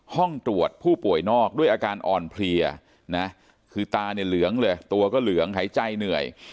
ห้องตรวจผู้ป่วยนอกด้วยอาการอ่อนเพลียนะคือตาเนี่ยเหลืองเลยตัวก็เหลืองหายใจเหนื่อย